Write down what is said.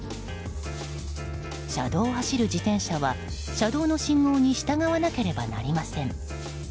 車道を走る自転車は車道の信号に従わなければなりません。